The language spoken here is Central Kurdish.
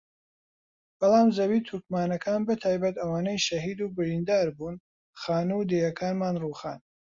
بەڵام زەوی تورکمانەکان بەتایبەت ئەوانەی شەهید و بریندار بوون خانوو و دێیەکانمان رووخان